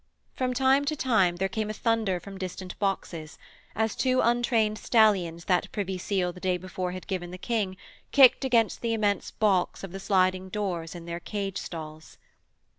From time to time there came a thunder from distant boxes, as two untrained stallions that Privy Seal the day before had given the King kicked against the immense balks of the sliding doors in their cage stalls.